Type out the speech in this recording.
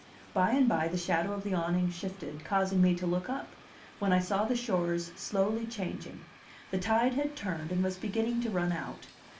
By and by the shadow of the awning shifted, causing me to look up, when I saw the shores slowly changing; the tide had turned, and was beginning to run out.